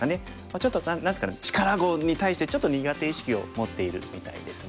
ちょっと何ですかね力碁に対してちょっと苦手意識を持っているみたいですね。